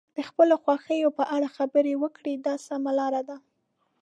د خپلو خوښیو په اړه خبرې وکړئ دا سمه لاره ده.